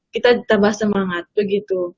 kita tambah semangat begitu